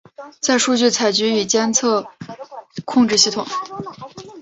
在数据采集与监视控制系统。